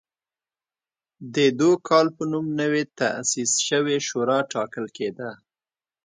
د دوکال په نوم نوې تاسیس شوې شورا ټاکل کېده